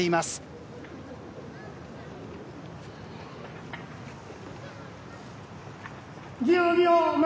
１０秒前。